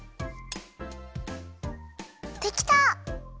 できた！